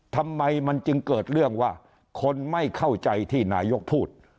ทำไมมันจึงเกิดเรื่องว่าคนไม่เข้าใจที่นายกพูด